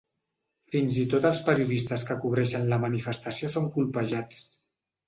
Fins i tot els periodistes que cobreixen la manifestació són colpejats.